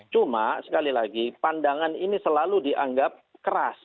cuma sekali lagi pandangan ini selalu dianggap keras